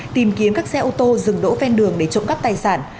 tìm kiếm các xe ô tô dừng đỗ ven đường để trộm cắp tài sản